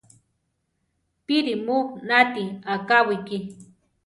¿Píri mu náti akáwiki?